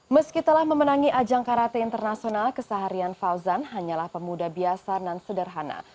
meski telah memenangi ajang karate internasional keseharian fauzan hanyalah pemuda biasa dan sederhana